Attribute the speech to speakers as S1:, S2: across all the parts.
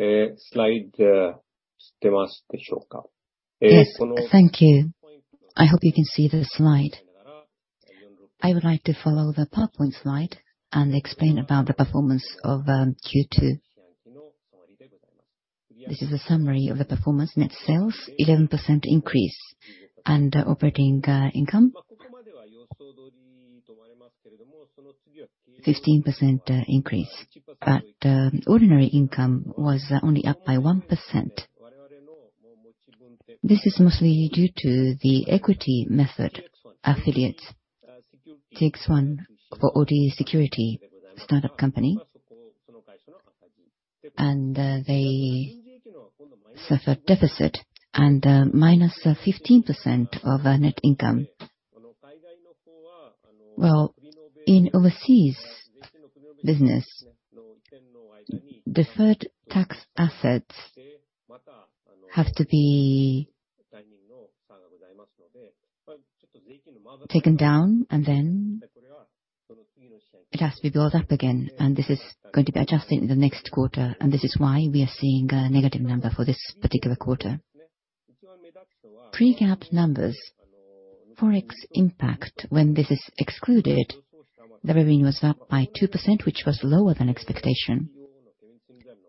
S1: Yes, thank you. I hope you can see the slide. I would like to follow the PowerPoint slide and explain about the performance of Q2. This is a summary of the performance. Net sales, 11% increase. Operating income, 15% increase. Ordinary income was only up by 1%. This is mostly due to the equity method. Affiliates takes one for Audi Security, a startup company. They suffered deficit and -15% of net income. Well, in overseas business, deferred tax assets have to be taken down. It has to be built up again. This is going to be adjusted in the next quarter. This is why we are seeing a negative number for this particular quarter. Pre-GAAP numbers, Forex impact, when this is excluded, the revenue was up by 2%, which was lower than expectation.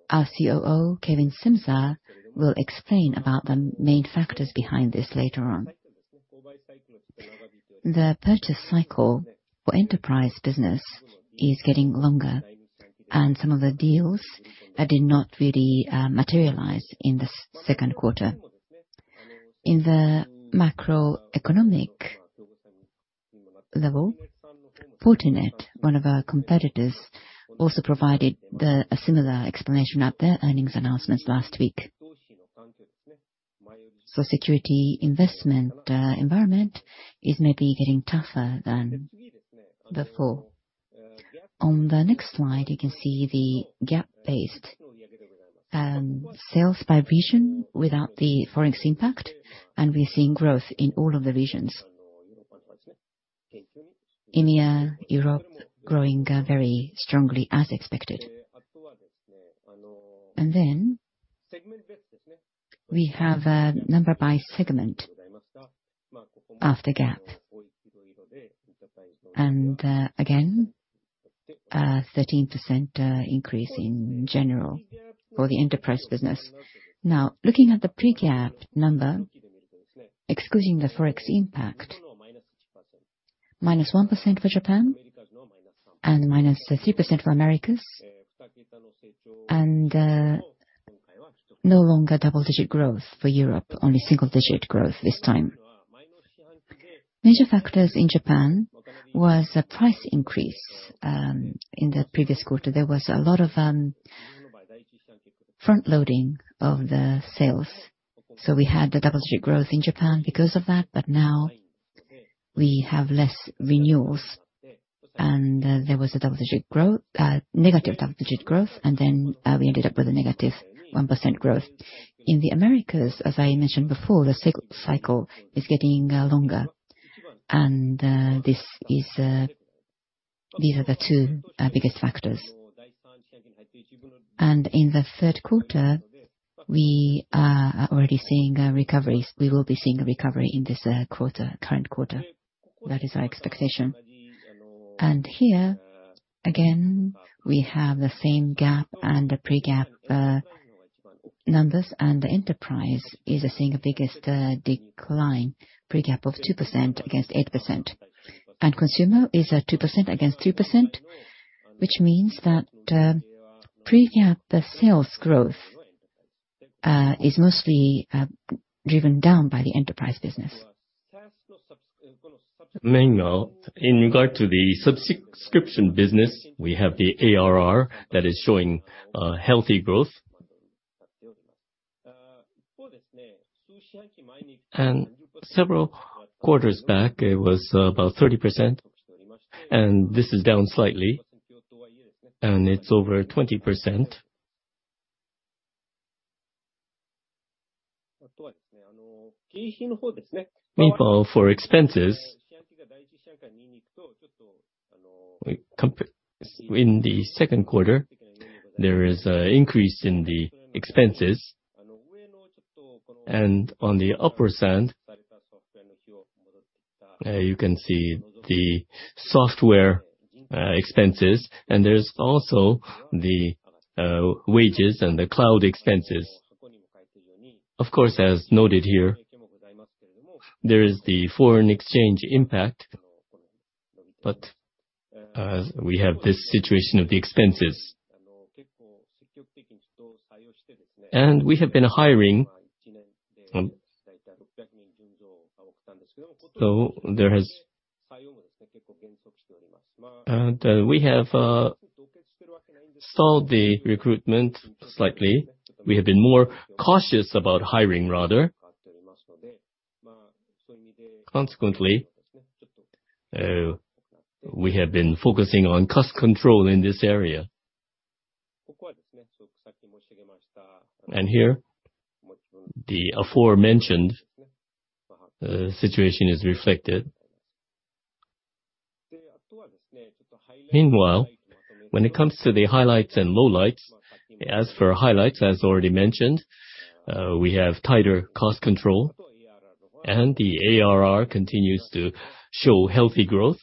S1: Our COO, Kevin Simzer, will explain about the main factors behind this later on. The purchase cycle for enterprise business is getting longer, and some of the deals did not really materialize in the second quarter. In the macroeconomic level, Fortinet, one of our competitors, also provided a similar explanation at their earnings announcement last week. Security investment environment is maybe getting tougher than before. On the next slide, you can see the GAAP-based sales by region without the Forex impact, and we're seeing growth in all of the regions. India, Europe, growing very strongly, as expected. Then, we have a number by segment, after GAAP. Again, a 13% increase in general for the enterprise business. Now, looking at the pre-GAAP number, excluding the Forex impact, -1% for Japan and -3% for Americas. No longer double-digit growth for Europe, only single-digit growth this time. Major factors in Japan was a price increase in the previous quarter. There was a lot of front loading of the sales, so we had the double-digit growth in Japan because of that, but now we have less renewals. There was a double-digit growth, negative double-digit growth. Then we ended up with a negative 1% growth. In the Americas, as I mentioned before, the cycle is getting longer. These are the two biggest factors. In the 3rd quarter, we are already seeing a recovery. We will be seeing a recovery in this quarter, current quarter. That is our expectation. Here, again, we have the same GAAP and the pre-GAAP numbers, the enterprise is seeing a biggest decline, pre-GAAP of 2% against 8%. Consumer is at 2% against 2%, which means that, pre-GAAP, the sales growth is mostly driven down by the enterprise business.
S2: Mainly, in regard to the subscription business, we have the ARR that is showing healthy growth. Several quarters back, it was about 30%, and this is down slightly, and it's over 20%. Meanwhile, for expenses, in the 2Q, there is a increase in the expenses, and on the upper side, you can see the software expenses, and there's also the wages and the cloud expenses. Of course, as noted here, there is the foreign exchange impact, but we have this situation of the expenses. We have been hiring, so there has... We have stalled the recruitment slightly. We have been more cautious about hiring, rather. Consequently, we have been focusing on cost control in this area. Here, the aforementioned situation is reflected. Meanwhile, when it comes to the highlights and lowlights, as for highlights, as already mentioned, we have tighter cost control, and the ARR continues to show healthy growth.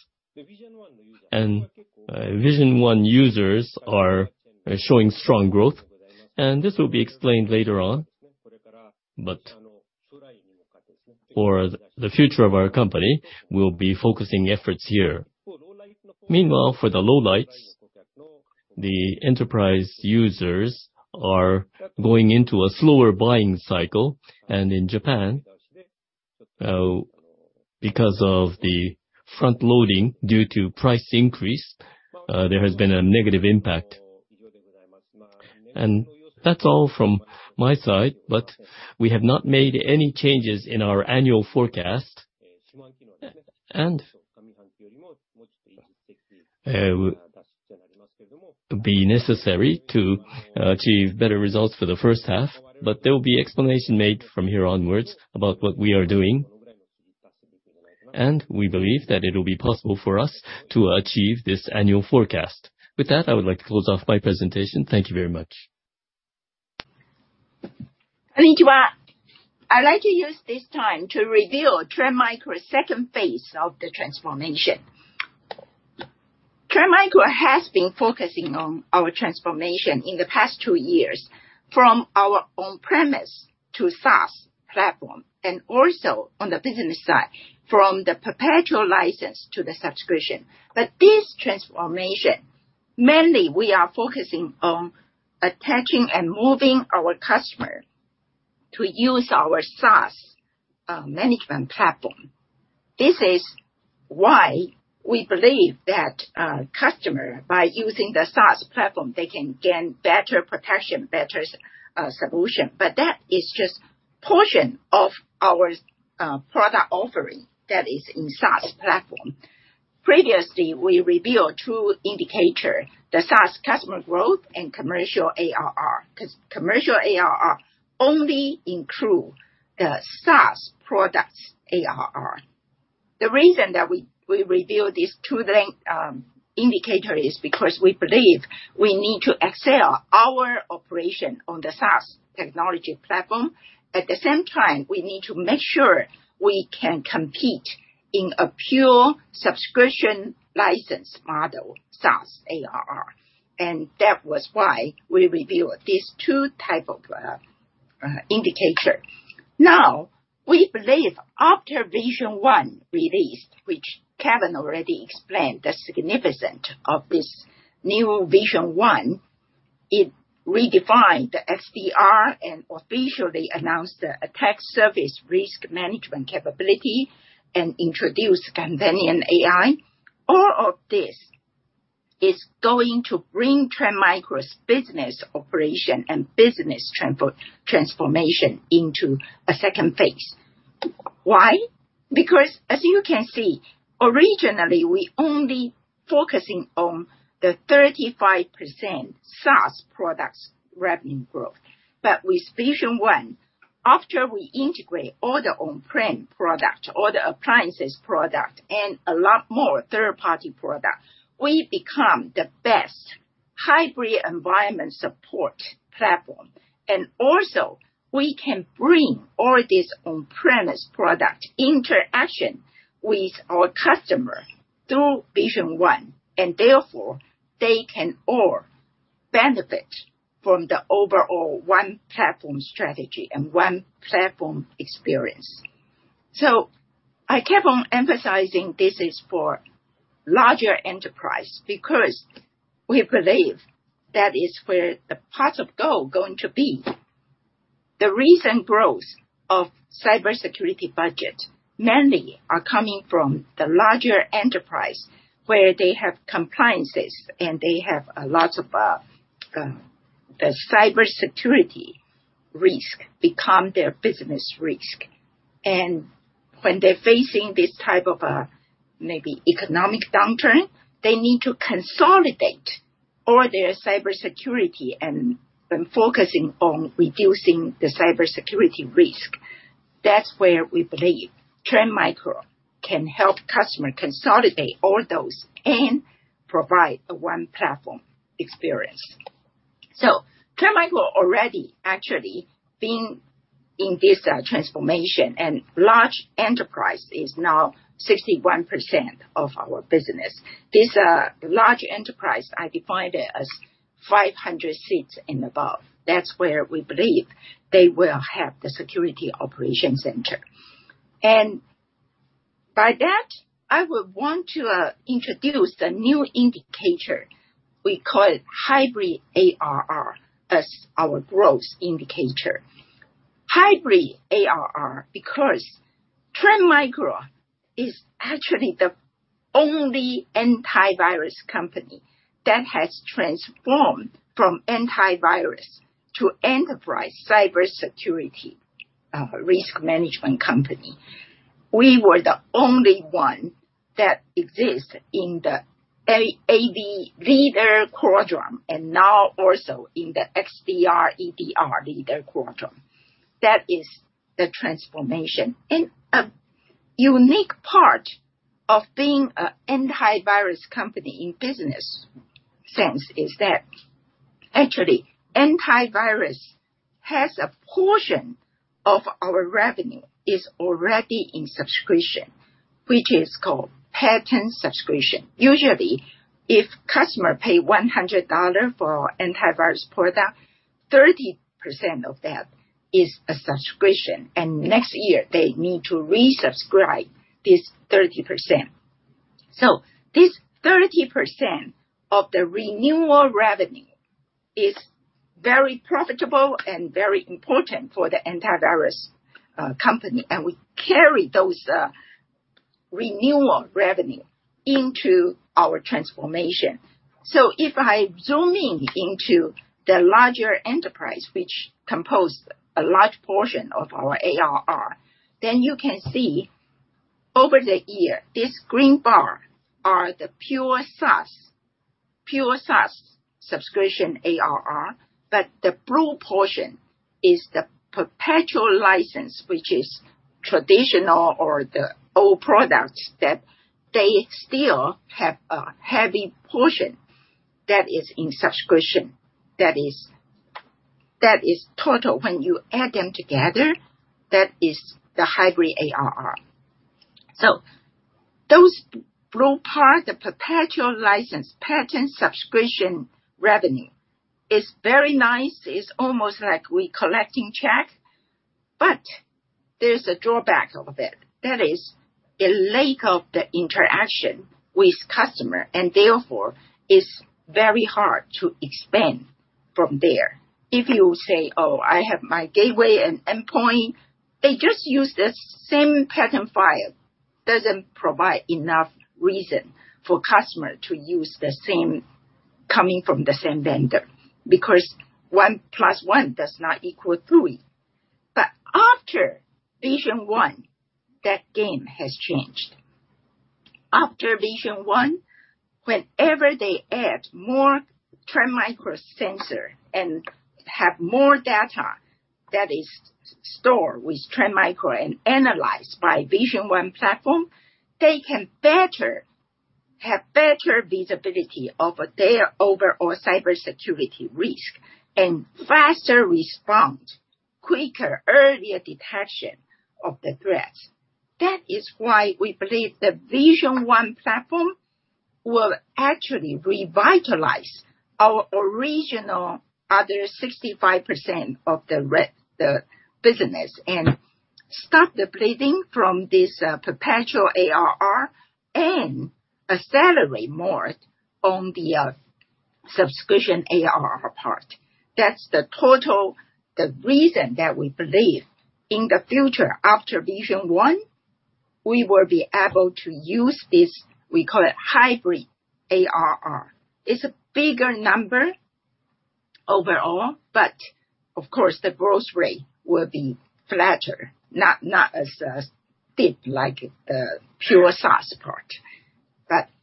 S2: Vision One users are showing strong growth, and this will be explained later on. For the future of our company, we'll be focusing efforts here. Meanwhile, for the lowlights, the enterprise users are going into a slower buying cycle, and in Japan, because of the front loading due to price increase, there has been a negative impact. That's all from my side, but we have not made any changes in our annual forecast. Be necessary to achieve better results for the first half, but there will be explanation made from here onwards about what we are doing. We believe that it will be possible for us to achieve this annual forecast. With that, I would like to close off my presentation. Thank you very much.
S1: Thank you. I'd like to use this time to reveal Trend Micro's second phase of the transformation. Trend Micro has been focusing on our transformation in the past 2 years, from our on-premise to SaaS platform, and also on the business side, from the perpetual license to the subscription. This transformation, mainly, we are focusing on attaching and moving our customer to use our SaaS management platform. This is why we believe that customer, by using the SaaS platform, they can gain better protection, better solution. That is just portion of our product offering that is in SaaS platform. Previously, we revealed 2 indicator, the SaaS customer growth and commercial ARR, 'cause commercial ARR only include the SaaS products ARR. The reason that we, we reveal these two thing, indicator is because we believe we need to excel our operation on the SaaS technology platform. At the same time, we need to make sure we can compete in a pure subscription license model, SaaS ARR, and that was why we revealed these two type of, indicator. Now, we believe after Vision One released, which Kevin already explained the significance of this new Vision One, it redefined the XDR and officially announced the Attack Surface Risk Management capability and introduced Companion AI. All of this is going to bring Trend Micro's business operation and business transformation into a second phase. Why? Because as you can see, originally, we only focusing on the 35% SaaS products revenue growth. With Vision One, after we integrate all the on-prem product, all the appliances product, and a lot more third-party product, we become the best hybrid environment support platform. Also, we can bring all this on-premise product interaction with our customer through Vision One, and therefore, they can all benefit from the overall one platform strategy and one platform experience. I keep on emphasizing this is for larger enterprise because we believe that is where the pots of gold going to be. The recent growth of cybersecurity budget mainly are coming from the larger enterprise, where they have compliances, and they have a lots of the cybersecurity risk become their business risk. When they're facing this type of a maybe economic downturn, they need to consolidate all their cybersecurity and, and focusing on reducing the cybersecurity risk. That's where we believe Trend Micro can help customer consolidate all those and provide a 1 platform experience. Trend Micro already actually been in this transformation, and large enterprise is now 61% of our business. This large enterprise, I define it as 500 seats and above. That's where we believe they will have the security operation center. By that, I would want to introduce the new indicator. We call it hybrid ARR as our growth indicator. Hybrid ARR, because Trend Micro is actually the only antivirus company that has transformed from antivirus to enterprise cybersecurity risk management company. We were the only one that exist in the AV leader quadrant, and now also in the XDR, EDR leader quadrant. That is the transformation. Unique part of being a antivirus company in business sense is that actually, antivirus has a portion of our revenue is already in subscription, which is called Pattern Subscription. Usually, if customer pay $100 for antivirus product, 30% of that is a subscription, and next year they need to resubscribe this 30%. This 30% of the renewal revenue is very profitable and very important for the antivirus company, and we carry those renewal revenue into our transformation. If I zoom in into the larger enterprise, which compose a large portion of our ARR, then you can see over the year, this green bar are the pure SaaS, pure SaaS subscription ARR, but the blue portion is the Perpetual License, which is traditional or the old products that they still have a heavy portion that is in subscription. That is, that is total. When you add them together, that is the hybrid ARR. Those blue part, the perpetual license, pattern subscription revenue, is very nice. It's almost like we're collecting check, but there's a drawback of it. That is a lack of the interaction with customer, and therefore it's very hard to expand from there. If you say, "Oh, I have my gateway and endpoint," they just use the same pattern file. Doesn't provide enough reason for customer to use the same coming from the same vendor, because one plus one does not equal three. After Vision One, that game has changed. After Trend Vision One, whenever they add more Trend Micro sensor and have more data that is stored with Trend Micro and analyzed by Trend Vision One platform, they can better, have better visibility over their overall cybersecurity risk and faster response, quicker, earlier detection of the threats. That is why we believe the Trend Vision One platform will actually revitalize our original other 65% of the re, the business, and stop the bleeding from this, perpetual ARR and accelerate more on the subscription ARR part. That's the total, the reason that we believe in the future, after Trend Vision One, we will be able to use this, we call it hybrid ARR. It's a bigger number overall, but of course, the growth rate will be flatter, not, not as steep like the pure SaaS part.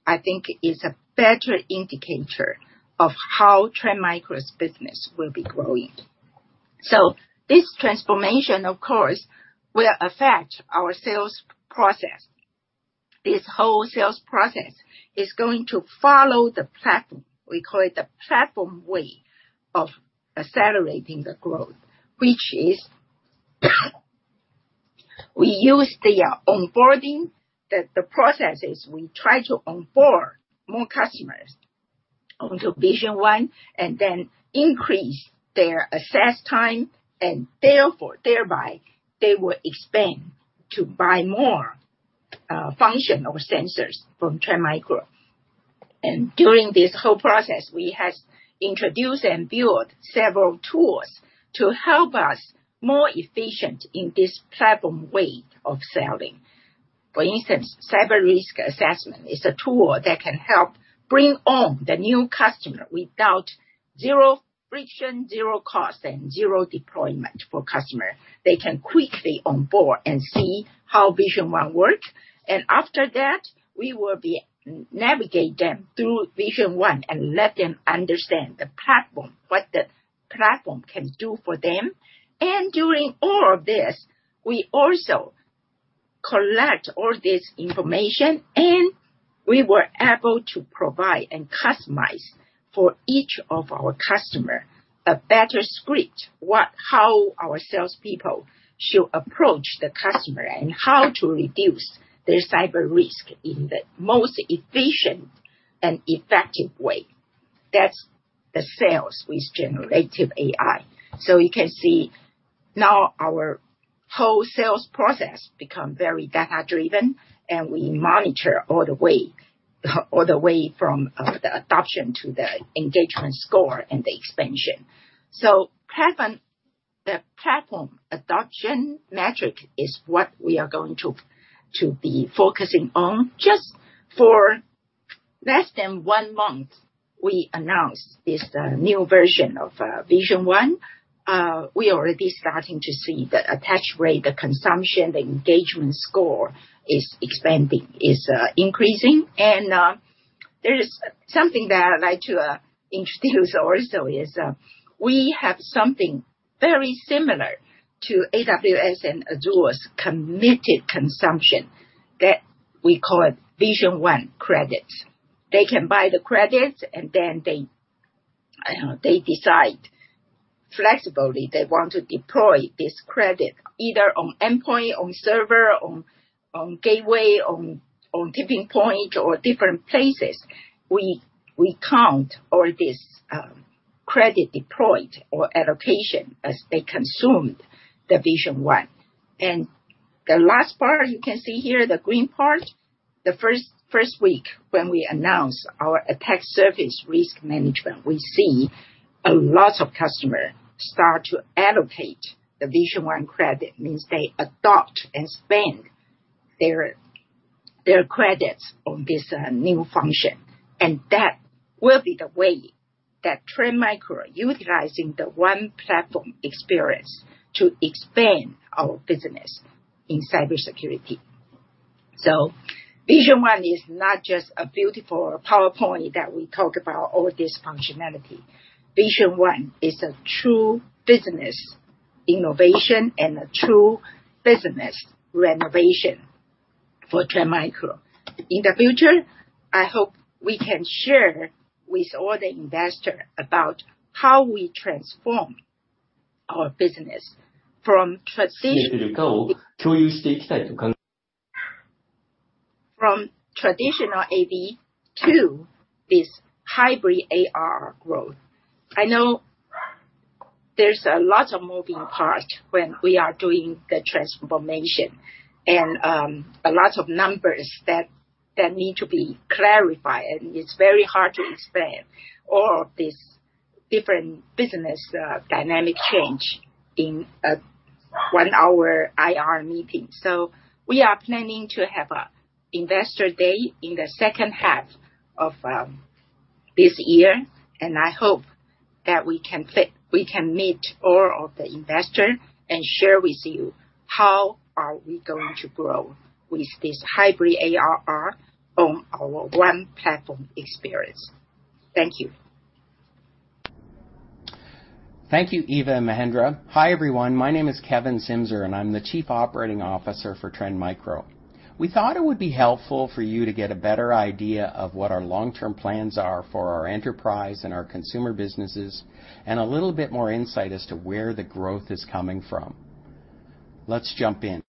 S1: I think it's a better indicator of how Trend Micro's business will be growing. This transformation, of course, will affect our sales process. This whole sales process is going to follow the platform. We call it the platform way of accelerating the growth, which is, we use the onboarding, the processes. We try to onboard more customers onto Vision One and then increase their assess time, and therefore, thereby, they will expand to buy more functional sensors from Trend Micro. During this whole process, we have introduced and built several tools to help us more efficient in this platform way of selling. For instance, Cyber Risk Assessment is a tool that can help bring on the new customer without zero friction, zero cost, and zero deployment for customer. They can quickly onboard and see how Vision One works. After that, we will be, navigate them through Vision One and let them understand the platform, what the platform can do for them. During all of this, we also collect all this information, and we were able to provide and customize for each of our customer a better script, what, how our salespeople should approach the customer and how to reduce their cyber risk in the most efficient and effective way. That's the sales with generative AI. You can see now our whole sales process become very data-driven, and we monitor all the way, all the way from the adoption to the engagement score and the expansion. Platform, the platform adoption metric is what we are going to, to be focusing on. Just for less than one month, we announced this new version of Vision One. We already starting to see the attach rate, the consumption, the engagement score is expanding, is increasing. There is something that I'd like to introduce also is, we have something very similar to AWS and Azure's committed consumption, that we call it Vision One credits. They can buy the credits and then they decide flexibly they want to deploy this credit either on endpoint, on server, on, on gateway, on, on TippingPoint or different places. We, we count all this, credit deployed or allocation as they consumed the Vision One. The last part you can see here, the green part, the first, first week when we announced our Attack Surface Risk Management, we see a lot of customers start to allocate the Vision One credit, means they adopt and spend their, their credits on this new function. That will be the way that Trend Micro, utilizing the one platform experience to expand our business in cybersecurity. Vision One is not just a beautiful PowerPoint that we talk about all this functionality. Vision One is a true business innovation and a true business renovation for Trend Micro. In the future, I hope we can share with all the investor about how we transform our business From traditional AV to this hybrid AR growth. I know there's a lot of moving parts when we are doing the transformation and a lot of numbers that, that need to be clarified, and it's very hard to explain all of these different business dynamic change in a one-hour IR meeting. We are planning to have a investor day in the second half of this year, and I hope that we can we can meet all of the investors and share with you how are we going to grow with this hybrid ARR on our one platform experience. Thank you.
S3: Thank you, Eva and Mahendra. Hi, everyone. My name is Kevin Simzer, and I'm the Chief Operating Officer for Trend Micro. We thought it would be helpful for you to get a better idea of what our long-term plans are for our enterprise and our consumer businesses, and a little bit more insight as to where the growth is coming from. Let's jump in.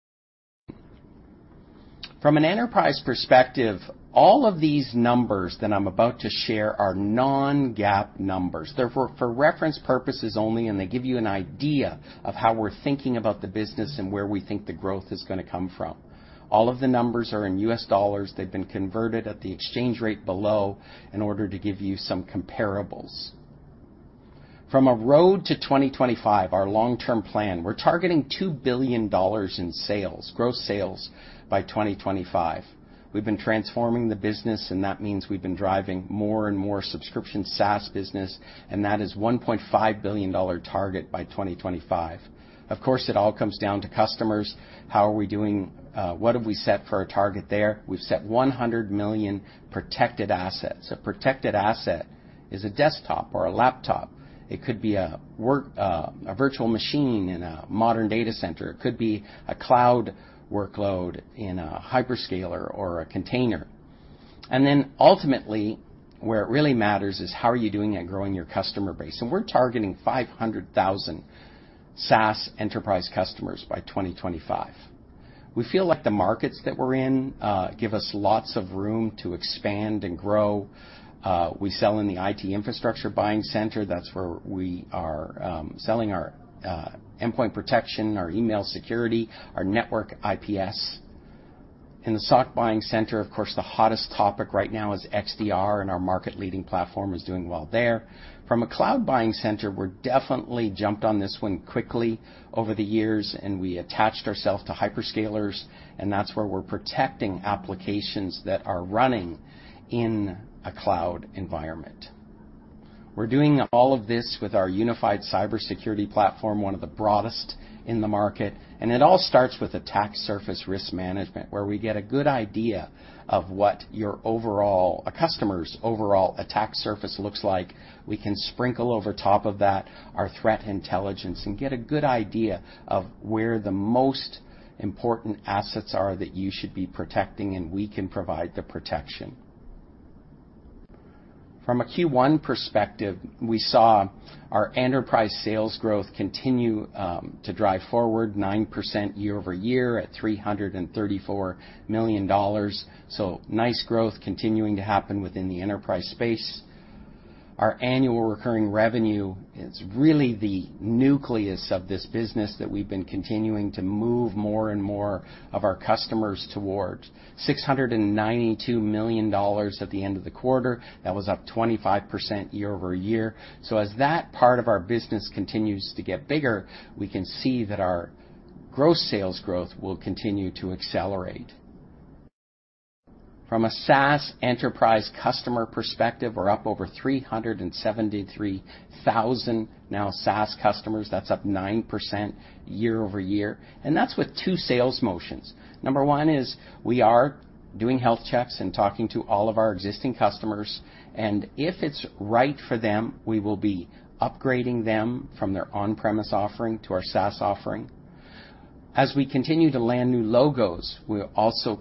S3: From an enterprise perspective, all of these numbers that I'm about to share are non-GAAP numbers. They're for reference purposes only, and they give you an idea of how we're thinking about the business and where we think the growth is gonna come from. All of the numbers are in U.S. dollars. They've been converted at the exchange rate below in order to give you some comparables. From a road to 2025, our long-term plan, we're targeting $2 billion in sales, gross sales, by 2025. We've been transforming the business. That means we've been driving more and more subscription SaaS business, and that is a $1.5 billion target by 2025. Of course, it all comes down to customers. How are we doing? What have we set for our target there? We've set 100 million protected assets. A protected asset is a desktop or a laptop. It could be a work, a virtual machine in a modern data center. It could be a cloud workload in a hyperscaler or a container. Then ultimately, where it really matters is how are you doing at growing your customer base? We're targeting 500,000 SaaS enterprise customers by 2025. We feel like the markets that we're in, give us lots of room to expand and grow. We sell in the IT infrastructure buying center. That's where we are, selling our endpoint protection, our email security, our network IPS. In the SOC buying center, of course, the hottest topic right now is XDR, and our market-leading platform is doing well there. From a cloud buying center, we're definitely jumped on this one quickly over the years, and we attached ourselves to hyperscalers, and that's where we're protecting applications that are running in a cloud environment. We're doing all of this with our unified cybersecurity platform, one of the broadest in the market, and it all starts with Attack Surface Risk Management, where we get a good idea of what your overall... a customer's overall attack surface looks like. We can sprinkle over top of that our threat intelligence and get a good idea of where the most important assets are that you should be protecting, and we can provide the protection. From a Q1 perspective, we saw our enterprise sales growth continue to drive forward 9% year-over-year at $334 million. Nice growth continuing to happen within the enterprise space. Our annual recurring revenue is really the nucleus of this business that we've been continuing to move more and more of our customers towards. $692 million at the end of the quarter, that was up 25% year-over-year. As that part of our business continues to get bigger, we can see that our gross sales growth will continue to accelerate. From a SaaS enterprise customer perspective, we're up over 373,000 now SaaS customers. That's up 9% year-over-year, and that's with 2 sales motions. Number one is we are doing health checks and talking to all of our existing customers, and if it's right for them, we will be upgrading them from their on-premise offering to our SaaS offering. As we continue to land new logos, we're also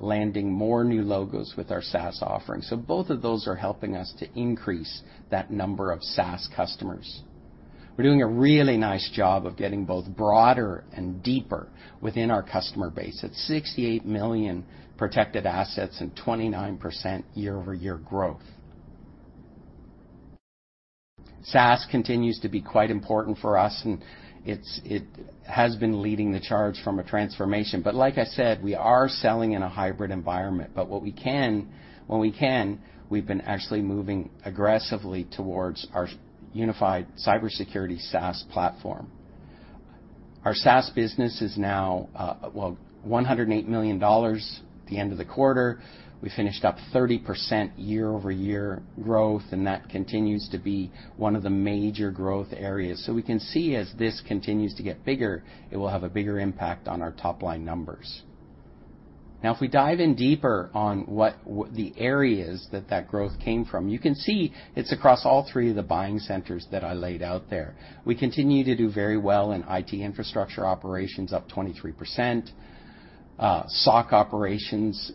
S3: landing more new logos with our SaaS offering. Both of those are helping us to increase that number of SaaS customers. We're doing a really nice job of getting both broader and deeper within our customer base. It's 68 million protected assets and 29% year-over-year growth. SaaS continues to be quite important for us, and it's, it has been leading the charge from a transformation, but like I said, we are selling in a hybrid environment. What we can, when we can, we've been actually moving aggressively towards our unified cybersecurity SaaS platform. Our SaaS business is now, well, $108 million the end of the quarter. We finished up 30% year-over-year growth. That continues to be one of the major growth areas. We can see as this continues to get bigger, it will have a bigger impact on our top-line numbers. If we dive in deeper on what the areas that growth came from, you can see it's across all 3 of the buying centers that I laid out there. We continue to do very well in IT infrastructure operations, up 23%. SOC operations,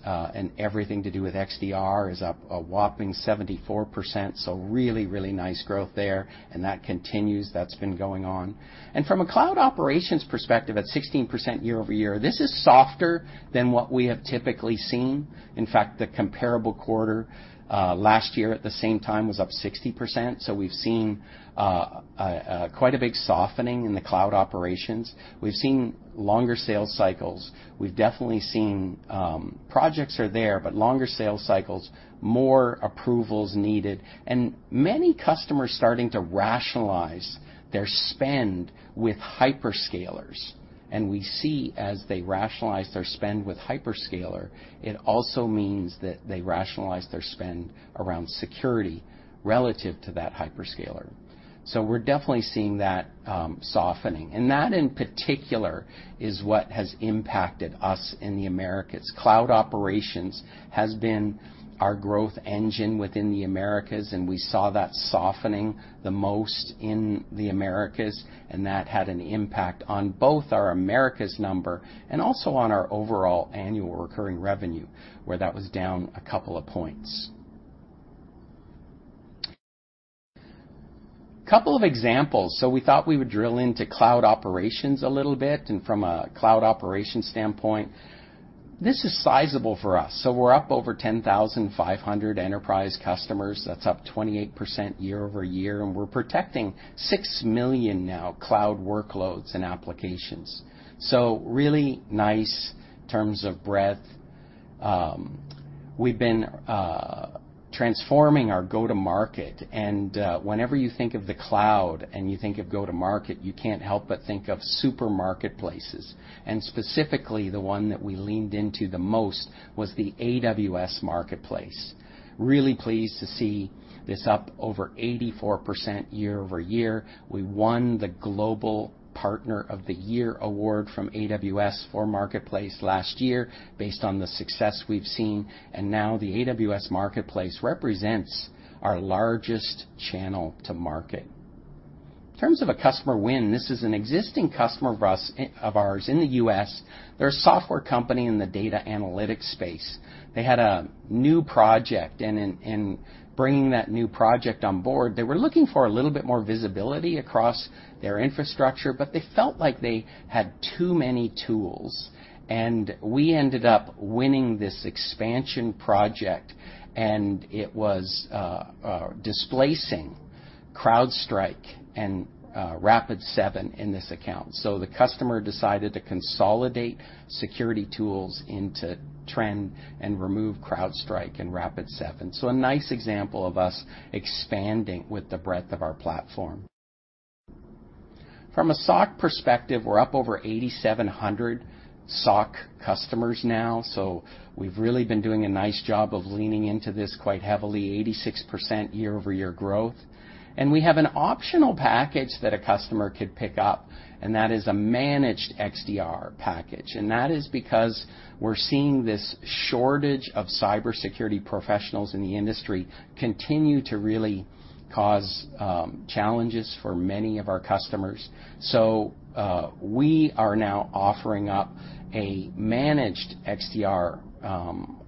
S3: everything to do with XDR is up a whopping 74%, really, really nice growth there, that continues. That's been going on. From a cloud operations perspective, at 16% year-over-year, this is softer than what we have typically seen. In fact, the comparable quarter last year at the same time was up 60%. We've seen quite a big softening in the cloud operations. We've seen longer sales cycles. We've definitely seen projects are there, longer sales cycles, more approvals needed, many customers starting to rationalize their spend with hyperscalers. We see as they rationalize their spend with hyperscaler, it also means that they rationalize their spend around security relative to that hyperscaler. We're definitely seeing that softening, and that in particular is what has impacted us in the Americas. Cloud operations has been our growth engine within the Americas, and we saw that softening the most in the Americas, and that had an impact on both our Americas number and also on our overall annual recurring revenue, where that was down a couple of points. Couple of examples. We thought we would drill into cloud operations a little bit, and from a cloud operations standpoint, this is sizable for us. We're up over 10,500 enterprise customers. That's up 28% year-over-year, and we're protecting 6 million now cloud workloads and applications. Really nice terms of breadth. We've been transforming our go-to-market, whenever you think of the cloud, and you think of go-to-market, you can't help but think of super marketplaces, and specifically, the one that we leaned into the most was the AWS Marketplace. Really pleased to see this up over 84% year-over-year. We won the Global Partner of the Year award from AWS for Marketplace last year based on the success we've seen, now the AWS Marketplace represents our largest channel to market. In terms of a customer win, this is an existing customer of us, of ours in the U.S. They're a software company in the data analytics space. They had a new project, in, in bringing that new project on board, they were looking for a little bit more visibility across their infrastructure. They felt like they had too many tools, we ended up winning this expansion project, and it was displacing CrowdStrike and Rapid7 in this account. The customer decided to consolidate security tools into Trend and remove CrowdStrike and Rapid7. A nice example of us expanding with the breadth of our platform. From a SOC perspective, we're up over 8,700 SOC customers now, we've really been doing a nice job of leaning into this quite heavily, 86% year-over-year growth. We have an optional package that a customer could pick up, and that is a managed XDR package, and that is because we're seeing this shortage of cybersecurity professionals in the industry continue to really cause challenges for many of our customers. We are now offering up a managed XDR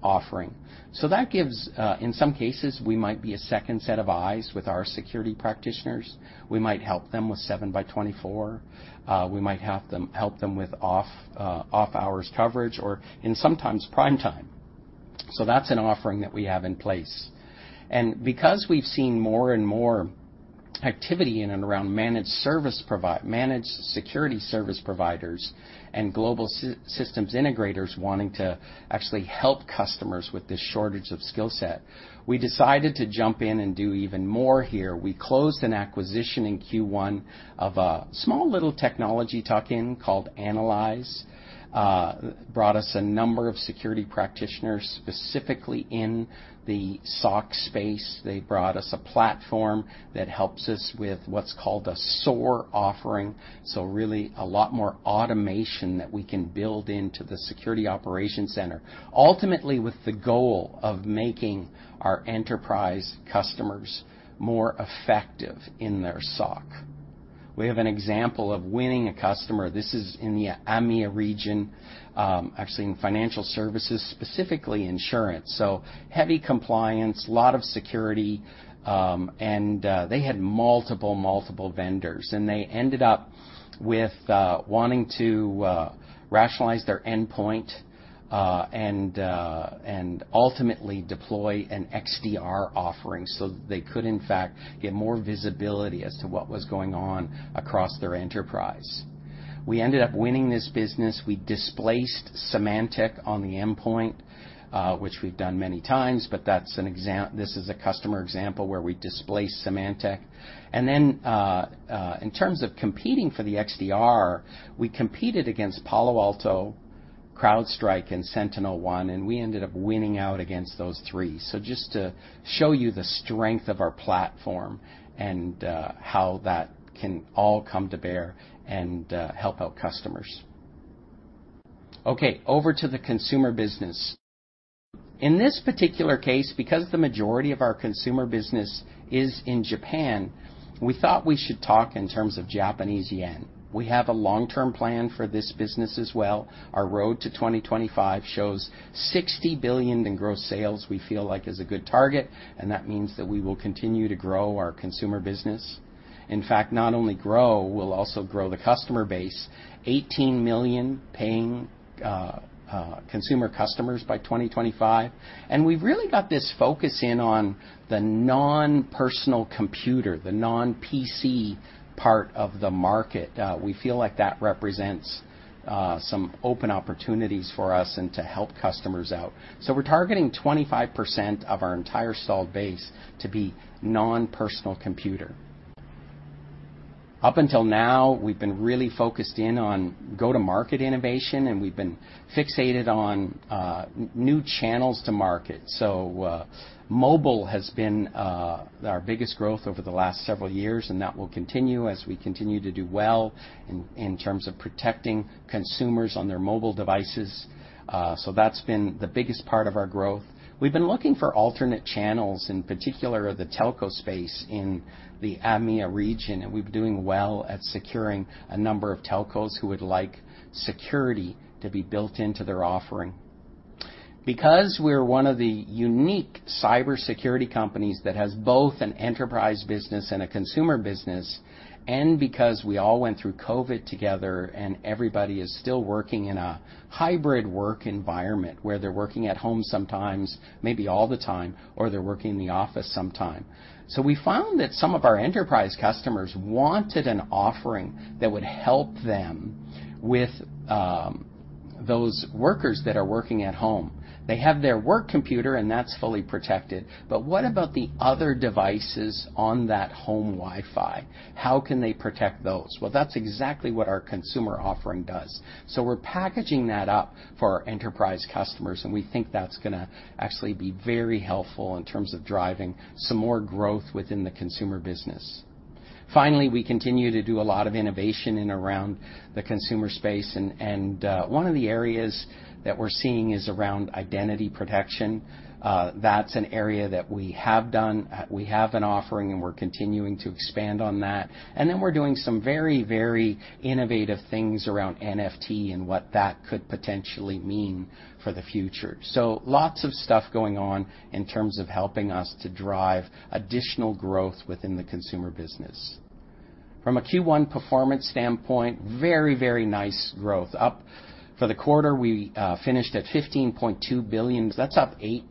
S3: offering. That gives... In some cases, we might be a second set of eyes with our security practitioners. We might help them with 7 by 24. We might help them with off-hours coverage or in sometimes prime time. That's an offering that we have in place. Because we've seen more and more activity in and around managed security service providers and global systems integrators wanting to actually help customers with this shortage of skill set, we decided to jump in and do even more here. We closed an acquisition in Q1 of a small little technology tuck-in called Analyze. Brought us a number of security practitioners, specifically in the SOC space. They brought us a platform that helps us with what's called a SOAR offering, so really a lot more automation that we can build into the security operations center, ultimately with the goal of making our enterprise customers more effective in their SOC. We have an example of winning a customer. This is in the EMEA region, actually, in financial services, specifically insurance. Heavy compliance, lot of security, and they had multiple, multiple vendors, and they ended up with wanting to rationalize their endpoint, and ultimately deploy an XDR offering so they could in fact, get more visibility as to what was going on across their enterprise. We ended up winning this business. We displaced Symantec on the endpoint, which we've done many times, but that's an exam-- this is a customer example where we displaced Symantec. Then, in terms of competing for the XDR, we competed against Palo Alto, CrowdStrike and SentinelOne, and we ended up winning out against those three. Just to show you the strength of our platform and how that can all come to bear and help out customers. Okay, over to the consumer business. In this particular case, because the majority of our consumer business is in Japan, we thought we should talk in terms of Japanese yen. We have a long-term plan for this business as well. Our road to 2025 shows 60 billion in gross sales, we feel like is a good target. That means that we will continue to grow our consumer business. In fact, not only grow, we'll also grow the customer base, 18 million paying consumer customers by 2025. We've really got this focus in on the non-personal computer, the non-PC part of the market. We feel like that represents some open opportunities for us and to help customers out. We're targeting 25% of our entire installed base to be non-personal computer. Up until now, we've been really focused in on go-to-market innovation, we've been fixated on new channels to market. Mobile has been our biggest growth over the last several years, and that will continue as we continue to do well in, in terms of protecting consumers on their mobile devices. That's been the biggest part of our growth. We've been looking for alternate channels, in particular, the telco space in the EMEA region, and we've been doing well at securing a number of telcos who would like security to be built into their offering. Because we're one of the unique cybersecurity companies that has both an enterprise business and a consumer business, and because we all went through COVID together and everybody is still working in a hybrid work environment, where they're working at home sometimes, maybe all the time, or they're working in the office sometime. We found that some of our enterprise customers wanted an offering that would help them with those workers that are working at home. They have their work computer, and that's fully protected, but what about the other devices on that home Wi-Fi? How can they protect those? Well, that's exactly what our consumer offering does. We're packaging that up for our enterprise customers, and we think that's gonna actually be very helpful in terms of driving some more growth within the consumer business. Finally, we continue to do a lot of innovation in around the consumer space, and, one of the areas that we're seeing is around identity protection. That's an area that we have done. We have an offering, and we're continuing to expand on that. Then we're doing some very, very innovative things around NFT and what that could potentially mean for the future. Lots of stuff going on in terms of helping us to drive additional growth within the consumer business. From a Q1 performance standpoint, very, very nice growth. Up for the quarter, we, finished at $15.2 billion. That's up 8%,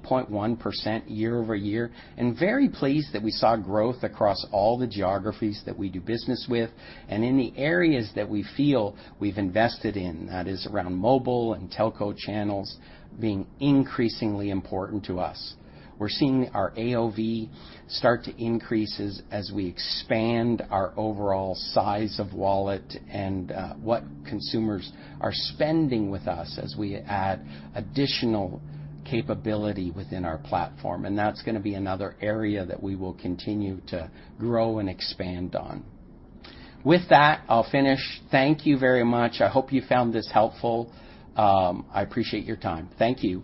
S3: 8.1% year-over-year, and very pleased that we saw growth across all the geographies that we do business with, and in the areas that we feel we've invested in. That is around mobile and telco channels being increasingly important to us. We're seeing our AOV start to increase as, as we expand our overall size of wallet and, what consumers are spending with us as we add additional capability within our platform, and that's gonna be another area that we will continue to grow and expand on. With that, I'll finish. Thank you very much. I hope you found this helpful. I appreciate your time. Thank you.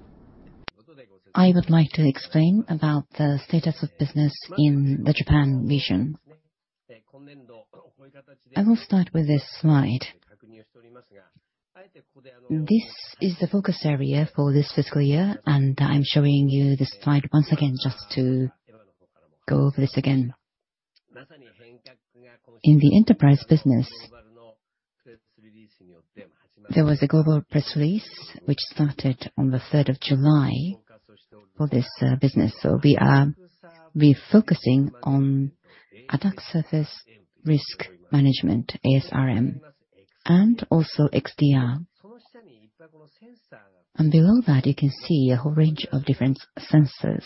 S1: I would like to explain about the status of business in the Japan region. I will start with this slide. This is the focus area for this fiscal year, and I'm showing you this slide once again, just to go over this again. In the enterprise business, there was a global press release which started on the 3rd of July for this business. We are refocusing on Attack Surface Risk Management, ASRM, and also XDR. Below that, you can see a whole range of different sensors.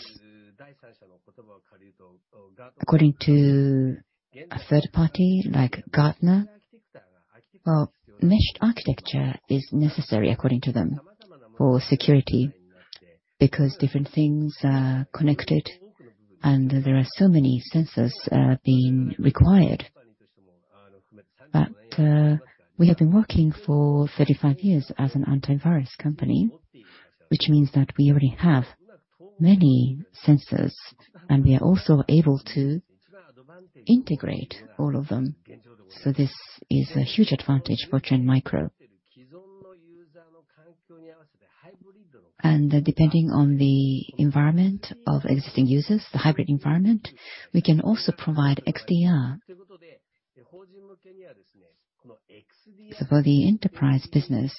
S1: According to a third party, like Gartner, well, mesh architecture is necessary, according to them, for security, because different things are connected and there are so many sensors being required. We have been working for 35 years as an antivirus company, which means that we already have-... many sensors, and we are also able to integrate all of them. This is a huge advantage for Trend Micro. Depending on the environment of existing users, the hybrid environment, we can also provide XDR. For the enterprise business,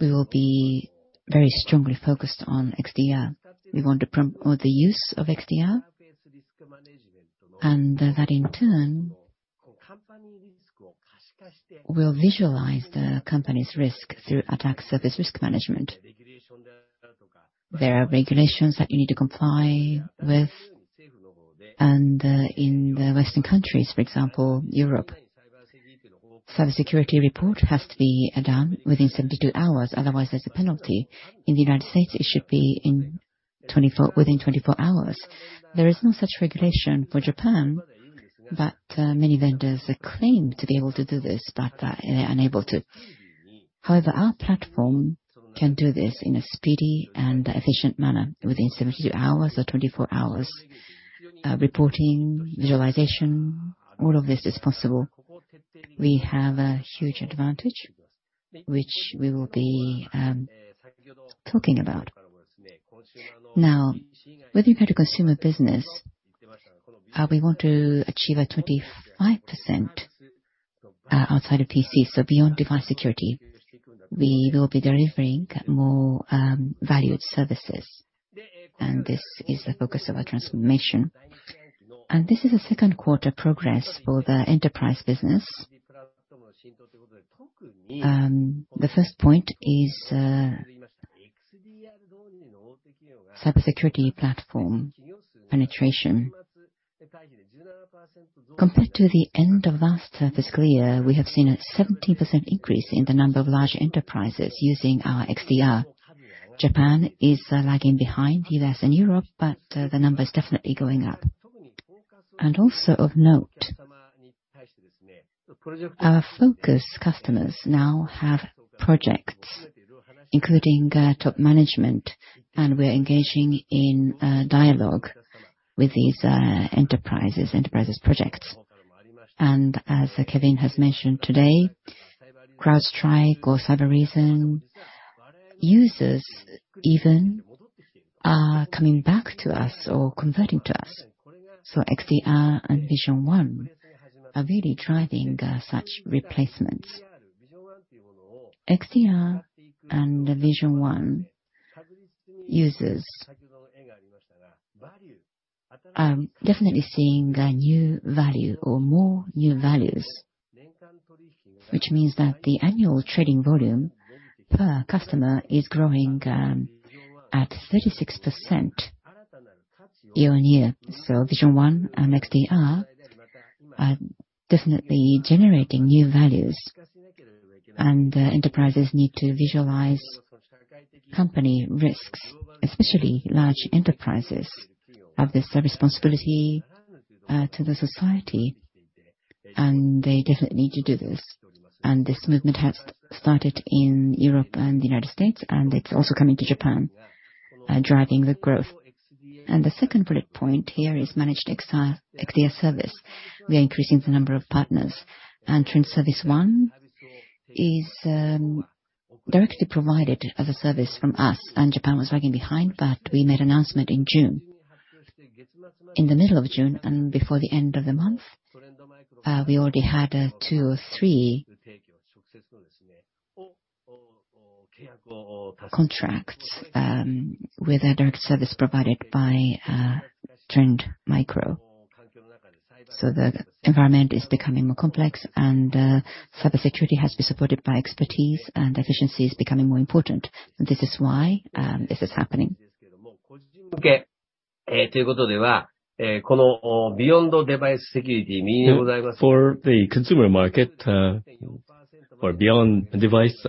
S1: we will be very strongly focused on XDR. We want to promote the use of XDR, and that in turn, will visualize the company's risk through Attack Surface Risk Management. There are regulations that you need to comply with, and in the Western countries, for example, Europe, cybersecurity report has to be done within 72 hours, otherwise there's a penalty. In the United States, it should be within 24 hours. There is no such regulation for Japan, many vendors claim to be able to do this, but they're unable to. However, our platform can do this in a speedy and efficient manner, within 72 hours or 24 hours. Reporting, visualization, all of this is possible. We have a huge advantage, which we will be talking about. Now, when you go to consumer business, we want to achieve a 25% outside of PC, so beyond device security, we will be delivering more valued services, and this is the focus of our transformation. This is a second quarter progress for the enterprise business. The first point is cybersecurity platform penetration. Compared to the end of last fiscal year, we have seen a 17% increase in the number of large enterprises using our XDR. Japan is lagging behind the US and Europe, but the number is definitely going up. Also of note, our focus customers now have projects, including top management, and we're engaging in dialogue with these enterprises, enterprises projects. As Kevin has mentioned today, CrowdStrike or Cybereason users even are coming back to us or converting to us. XDR and Vision One are really driving such replacements. XDR and the Vision One users are definitely seeing a new value or more new values, which means that the annual trading volume per customer is growing at 36% year-on-year. Vision One and XDR are definitely generating new values, and enterprises need to visualize company risks, especially large enterprises, have this responsibility to the society, and they definitely need to do this. This movement has started in Europe and the United States, and it's also coming to Japan, driving the growth. The second bullet point here is managed XDR service. We are increasing the number of partners, and Trend Service One is directly provided as a service from us, and Japan was lagging behind, but we made announcement in June. In the middle of June, and before the end of the month, we already had two or three contracts with a direct service provided by Trend Micro. The environment is becoming more complex, and cybersecurity has to be supported by expertise, and efficiency is becoming more important. This is why this is happening.
S2: For the consumer market, for beyond device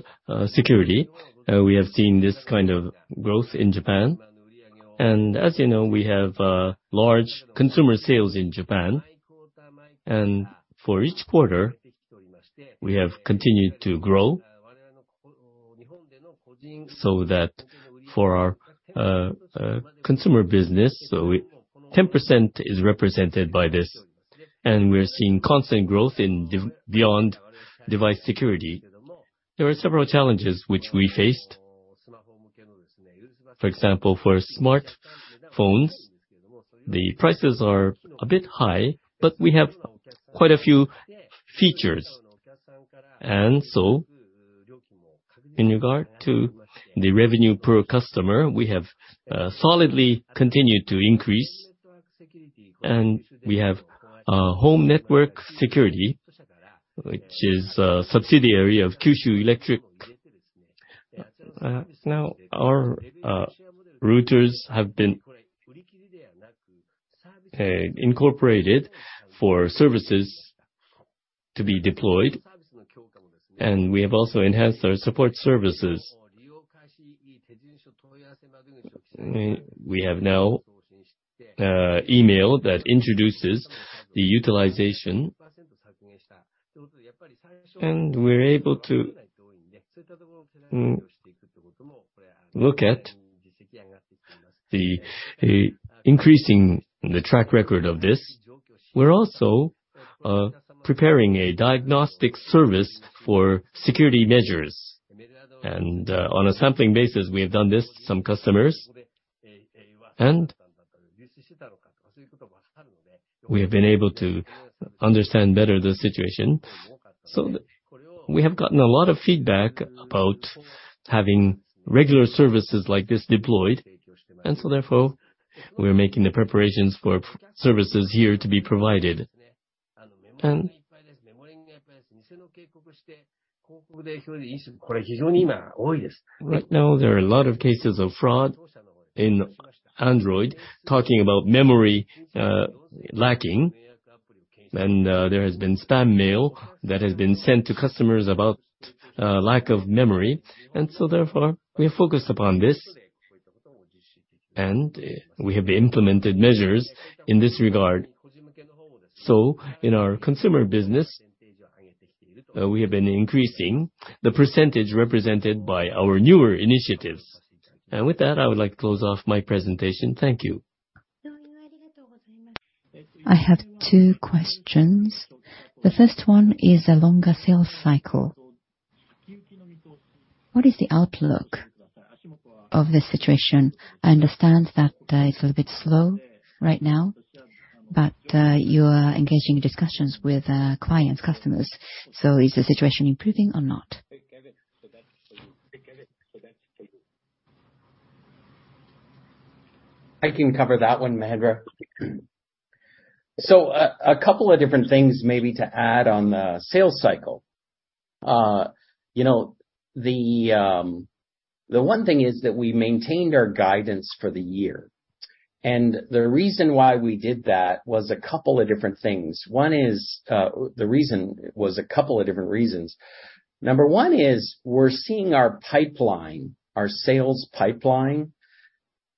S2: security, we have seen this kind of growth in Japan. As you know, we have large consumer sales in Japan, and for each quarter, we have continued to grow. For our consumer business, 10% is represented by this, and we're seeing constant growth in beyond device security. There are several challenges which we faced. For example, for smartphones, the prices are a bit high, but we have quite a few features. In regard to the revenue per customer, we have solidly continued to increase, and we have home network security, which is a subsidiary of Kyushu Electric. Now, our routers have been incorporated for services to be deployed, and we have also enhanced our support services. We have now email that introduces the utilization. We're able to look at the increasing the track record of this. We're also preparing a diagnostic service for security measures. On a sampling basis, we have done this to some customers, and we have been able to understand better the situation. We have gotten a lot of feedback about having regular services like this deployed. Therefore, we're making the preparations for services here to be provided. Right now, there are a lot of cases of fraud in Android, talking about memory lacking. There has been spam mail that has been sent to customers about lack of memory. Therefore, we are focused upon this, and we have implemented measures in this regard. In our consumer business, we have been increasing the percentage represented by our newer initiatives. With that, I would like to close off my presentation. Thank you.
S1: I have 2 questions. The first one is a longer sales cycle. What is the outlook of this situation? I understand that it's a little bit slow right now, but you are engaging in discussions with clients, customers, is the situation improving or not?
S3: I can cover that one, Mahendra. A couple of different things maybe to add on the sales cycle. You know, the one thing is that we maintained our guidance for the year, and the reason why we did that was a couple of different things. One is, the reason was a couple of different reasons. Number one is, we're seeing our pipeline, our sales pipeline,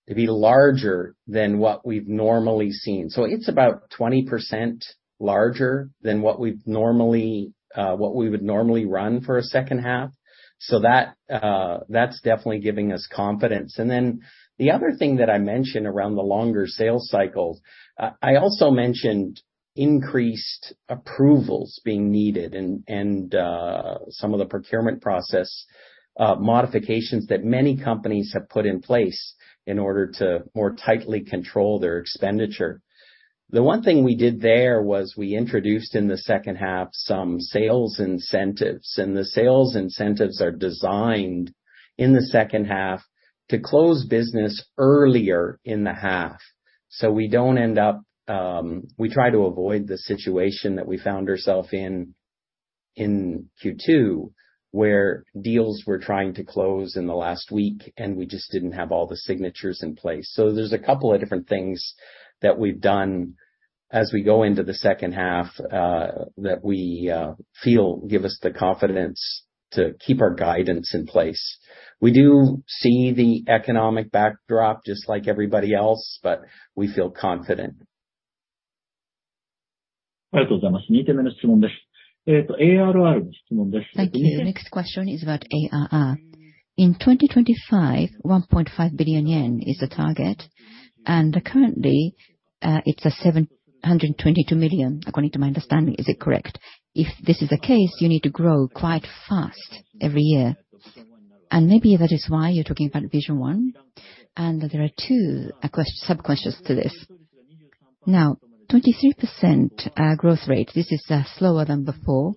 S3: to be larger than what we've normally seen. It's about 20% larger than what we've normally, what we would normally run for a second half, so that's definitely giving us confidence. The other thing that I mentioned around the longer sales cycles, I also mentioned increased approvals being needed and, and, some of the procurement process, modifications that many companies have put in place in order to more tightly control their expenditure. The one thing we did there, was we introduced in the second half, some sales incentives, and the sales incentives are designed in the second half to close business earlier in the half. We don't end up... We try to avoid the situation that we found ourselves in, in Q2, where deals were trying to close in the last week, and we just didn't have all the signatures in place. There's a couple of different things that we've done as we go into the second half, that we feel give us the confidence to keep our guidance in place. We do see the economic backdrop just like everybody else, but we feel confident.
S1: Thank you. The next question is about ARR. In 2025, 1.5 billion yen is the target, currently, it's 722 million, according to my understanding. Is it correct? If this is the case, you need to grow quite fast every year, and maybe that is why you're talking about Vision One, and there are two sub questions to this. Now, 23% growth rate, this is slower than before,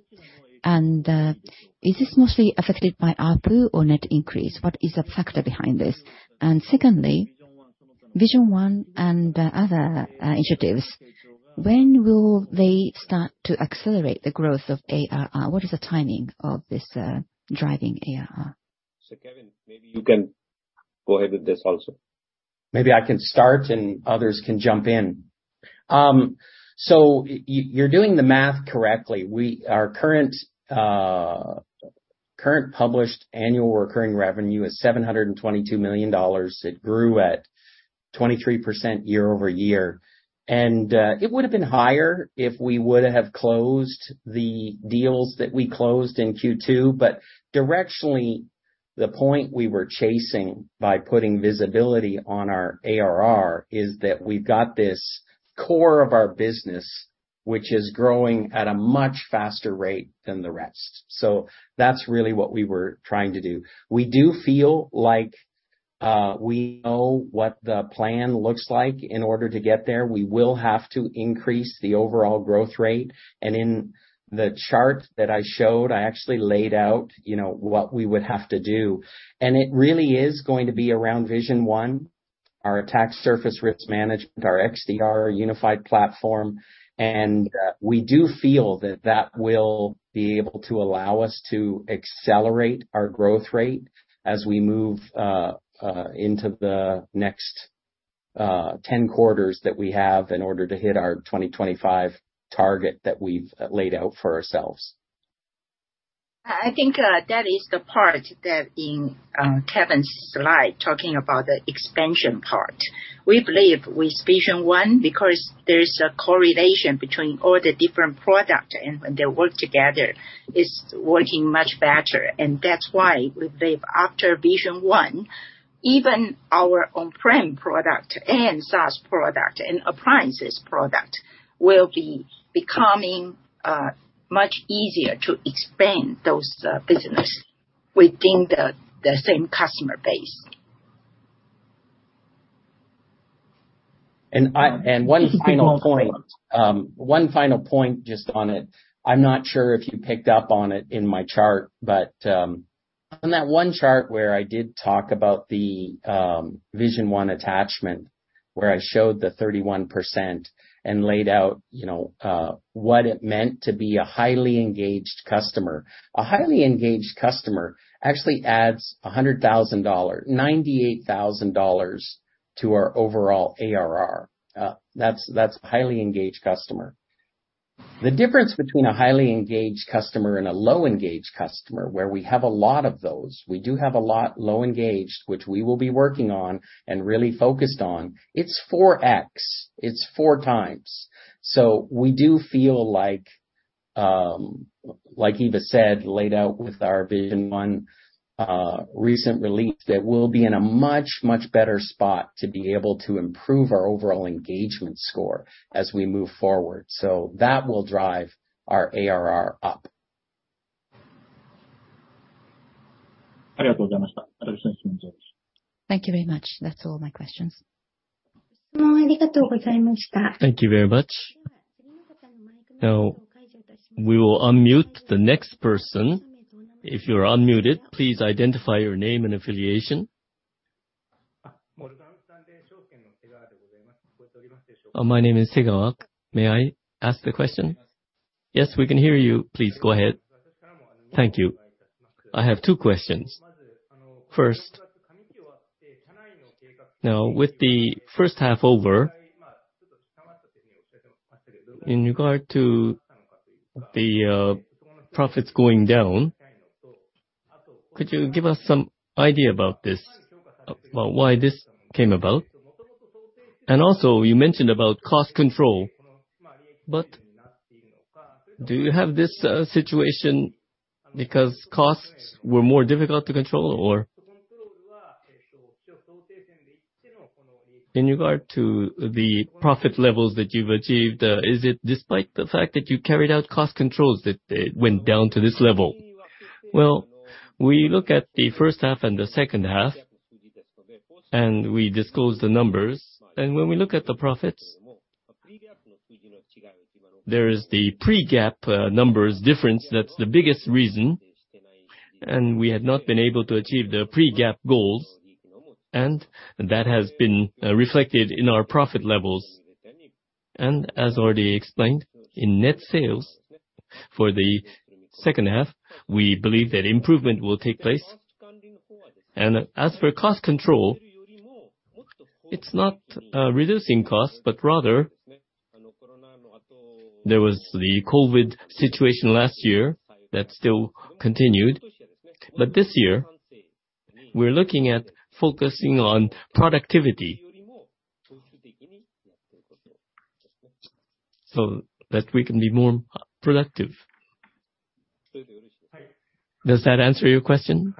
S1: is this mostly affected by ARPU or net increase? What is the factor behind this? Secondly, Vision One and other initiatives, when will they start to accelerate the growth of ARR? What is the timing of this driving ARR?
S3: Kevin, maybe you can go ahead with this also. Maybe I can start and others can jump in. Y- you, you're doing the math correctly. We- our current current published annual recurring revenue is $722 million. It grew at 23% year-over-year, and it would have been higher if we would have closed the deals that we closed in Q2. Directionally, the point we were chasing by putting visibility on our ARR, is that we've got this core of our business, which is growing at a much faster rate than the rest. That's really what we were trying to do. We do feel like we know what the plan looks like in order to get there. We will have to increase the overall growth rate, and in the chart that I showed, I actually laid out, you know, what we would have to do. It really is going to be around Trend Vision One, our Attack Surface Risk Management, our XDR unified platform, and we do feel that that will be able to allow us to accelerate our growth rate as we move into the next 10 quarters that we have in order to hit our 2025 target that we've laid out for ourselves.
S1: I think, that is the part that in, Kevin's slide, talking about the expansion part. We believe with Vision One, because there is a correlation between all the different product, and when they work together, it's working much better. That's why we believe after Vision One, even our on-prem product and SaaS product, and Appliances product, will be becoming, much easier to expand those, business within the, the same customer base.
S3: One final point, one final point just on it. I'm not sure if you picked up on it in my chart, on that one chart where I did talk about the Vision One attachment, where I showed the 31% and laid out, you know, what it meant to be a highly engaged customer. A highly engaged customer actually adds $100,000, $98,000 to our overall ARR. That's, that's highly engaged customer. The difference between a highly engaged customer and a low-engaged customer, where we have a lot of those, we do have a lot low engaged, which we will be working on and really focused on. It's 4x. It's 4 times. We do feel like, like Eva said, laid out with our Trend Vision One recent release, that we'll be in a much, much better spot to be able to improve our overall engagement score as we move forward. That will drive our ARR up.
S1: Thank you very much. That's all my questions.
S2: Thank you very much. Now, we will unmute the next person. If you're unmuted, please identify your name and affiliation. My name is Segawa. May I ask the question? Yes, we can hear you. Please, go ahead. Thank you. I have two questions. First, now, with the first half over, in regard to the profits going down, could you give us some idea about this, about why this came about? Also, you mentioned about cost control, but do you have this situation because costs were more difficult to control? In regard to the profit levels that you've achieved, is it despite the fact that you carried out cost controls, that it went down to this level? Well, we look at the first half and the second half, we disclose the numbers, when we look at the profits, there is the pre-GAAP numbers difference. That's the biggest reason, we had not been able to achieve the pre-GAAP goals, that has been reflected in our profit levels. As already explained, in net sales for the second half, we believe that improvement will take place. As for cost control, it's not reducing costs, but rather there was the COVID situation last year that still continued. This year, we're looking at focusing on productivity. That we can be more productive. Does that answer your question?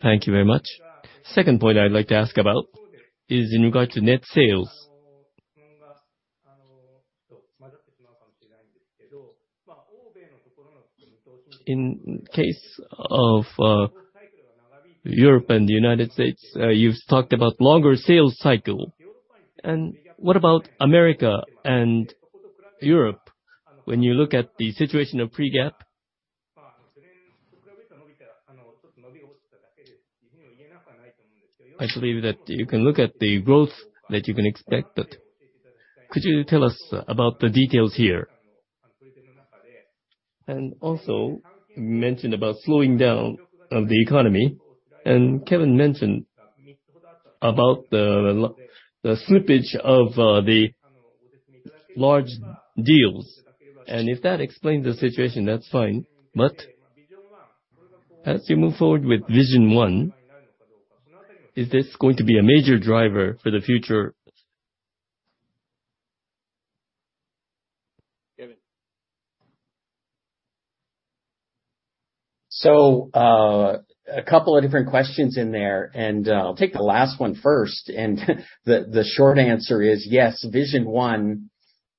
S2: Thank you very much. Second point I'd like to ask about is in regard to net sales. In case of, Europe and the United States, you've talked about longer sales cycle, what about America and Europe when you look at the situation of pre-GAAP? I believe that you can look at the growth that you can expect, but could you tell us about the details here? Also, you mentioned about slowing down of the economy, Kevin mentioned about the the slippage of, the large deals. If that explains the situation, that's fine, but as you move forward with Vision One, is this going to be a major driver for the future? Kevin?
S3: A couple of different questions in there, I'll take the last one first. The short answer is yes, Trend Vision One,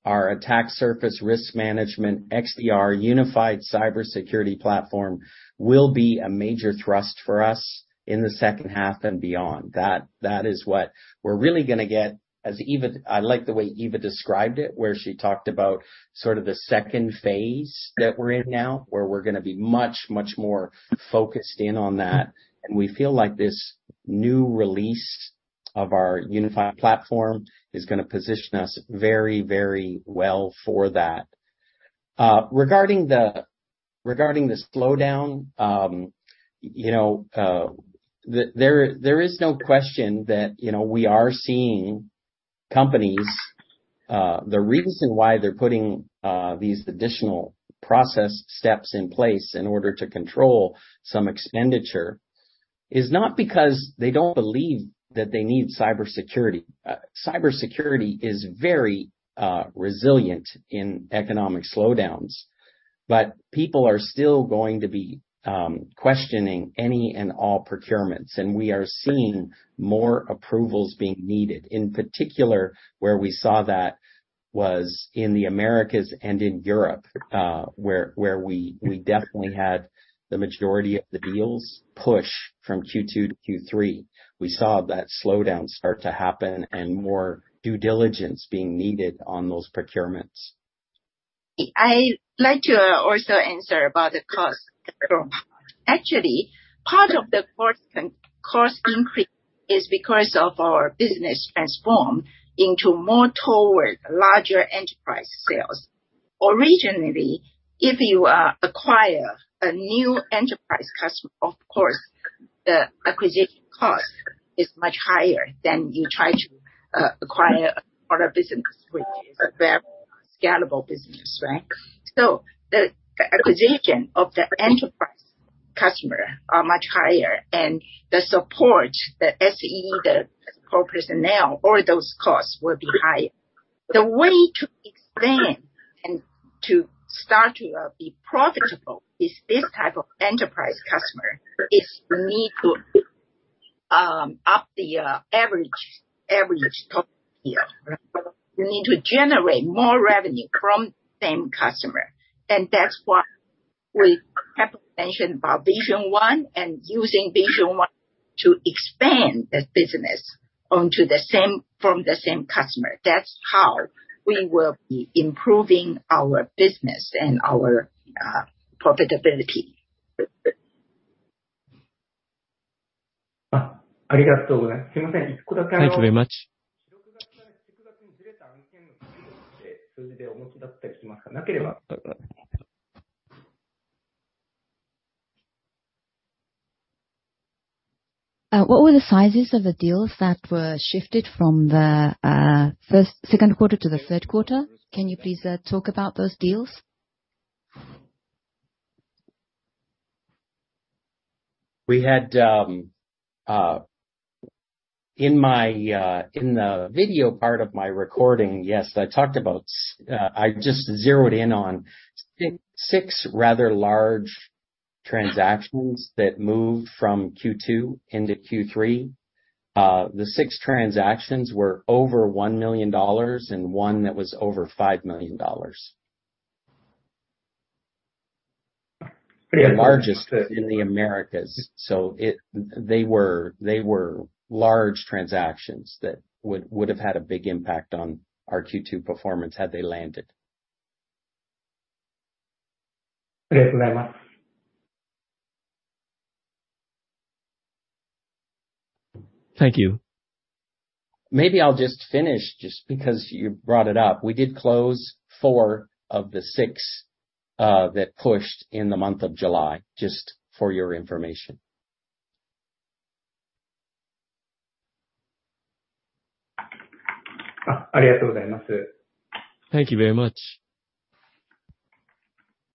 S3: our Attack Surface Risk Management, XDR unified cybersecurity platform, will be a major thrust for us in the second half and beyond. That, that is what we're really gonna get. As Eva, I like the way Eva described it, where she talked about sort of the second phase that we're in now, where we're gonna be much, much more focused in on that. We feel like this new release of our unified platform is gonna position us very, very well for that. Regarding the slowdown, you know, there is no question that, you know, we are seeing... companies, the reason why they're putting these additional process steps in place in order to control some expenditure, is not because they don't believe that they need cybersecurity. Cybersecurity is very resilient in economic slowdowns, but people are still going to be questioning any and all procurements. We are seeing more approvals being needed. In particular, where we saw that was in the Americas and in Europe, where we definitely had the majority of the deals push from Q2 to Q3. We saw that slowdown start to happen and more due diligence being needed on those procurements.
S1: I'd like to also answer about the cost control part. Actually, part of the cost and cost increase is because of our business transform into more toward larger enterprise sales. Originally, if you acquire a new enterprise customer, of course, the acquisition cost is much higher than you try to acquire a other business, which is a very scalable business, right? The, the acquisition of the enterprise customer are much higher, and the support, the SE, the support personnel, all those costs will be higher. The way to expand and to start to be profitable is this type of enterprise customer, is you need to up the average, average top here. You need to generate more revenue from the same customer, and that's what we have mentioned about Vision One and using Vision One to expand the business from the same customer. That's how we will be improving our business and our profitability.
S2: Thank you very much.
S4: What were the sizes of the deals that were shifted from the 1st, 2nd quarter to the 3rd quarter? Can you please talk about those deals?
S3: We had in my in the video part of my recording, yes, I talked about I just zeroed in on 6 rather large transactions that moved from Q2 into Q3. The 6 transactions were over $1 million, and one that was over $5 million.
S2: The largest-
S3: In the Americas, They were large transactions that would have had a big impact on our Q2 performance had they landed.
S2: Thank you very much.
S4: Thank you.
S3: Maybe I'll just finish, just because you brought it up. We did close 4 of the 6, that pushed in the month of July, just for your information.
S2: Thank you very much.